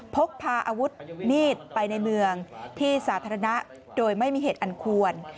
พกพาอาวุธมีดไปในเมืองที่สาธารณะโดยไม่มีเหตุอันควร